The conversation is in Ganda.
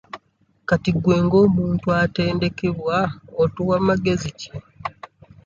Kati gwe ng'omuntu atendekebwa otuwa magezi ki?